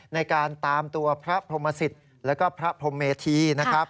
ในการตามตัวพระผมเมสิตและพระผมเมธี